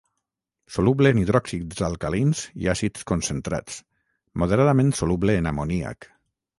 Soluble en hidròxids alcalins i àcids concentrats, moderadament soluble en amoníac.